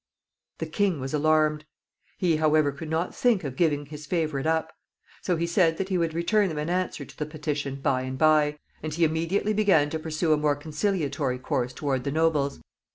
The king was alarmed. He, however, could not think of giving his favorite up. So he said that he would return them an answer to the petition by and by, and he immediately began to pursue a more conciliatory course toward the nobles.